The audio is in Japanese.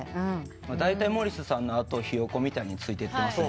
だいたいモリスさんの後をひよこみたいについてってます。